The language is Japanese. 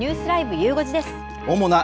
ゆう５時です。